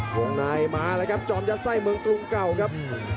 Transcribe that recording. วงในมาแล้วครับจอมยัดไส้เมืองกรุงเก่าครับ